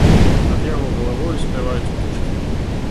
Над яго галавою спяваюць птушкі.